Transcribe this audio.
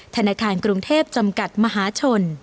ธนาคารกรุงเทพจำกัดมหาชน